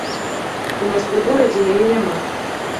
У нас у горадзе яе няма.